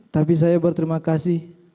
tapi saya berterima kasih